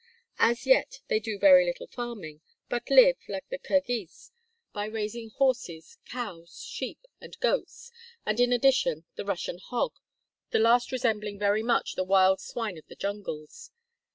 As yet they do very little farming, but live, like the Kirghiz, by raising horses, cows, sheep, and goats, and, in addition, the Russian hog, the last resembling very much the wild swine of the jungles.